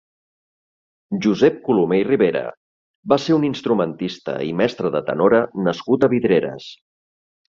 Josep Colomer i Ribera va ser un instrumentista i mestre de tenora nascut a Vidreres.